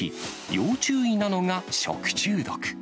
要注意なのが食中毒。